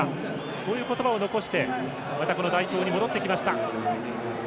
そういう言葉を残してまた、代表に戻ってきました。